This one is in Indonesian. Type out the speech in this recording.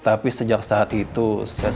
sudah tidak punya obat raja motashi atau sebagainya